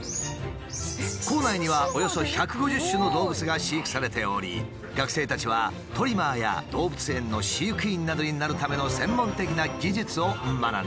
校内にはおよそ１５０種の動物が飼育されており学生たちはトリマーや動物園の飼育員などになるための専門的な技術を学んでいる。